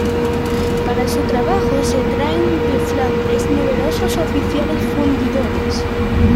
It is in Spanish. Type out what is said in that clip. Para su trabajo se traen de Flandes numerosos oficiales fundidores.